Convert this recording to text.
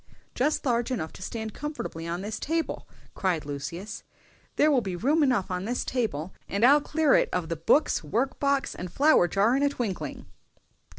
"Just large enough to stand comfortably on this side table!" cried Lucius. "There will be room enough on this table, and I'll clear it of the books, work box, and flower jar in a twinkling."